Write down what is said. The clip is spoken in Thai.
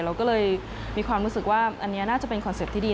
เราก็เลยมีความรู้สึกว่าอันนี้น่าจะเป็นคอนเซ็ปต์ที่ดี